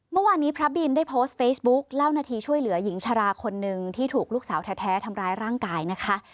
เมื่อวานนี้พระบินได้โพสต์เฟซบุ๊กเล่านาทีช่วยเหลือหญิงชะลาคนหนึ่งที่ถูกลูกสาวแท้ทำร้ายร่างกายนะคะ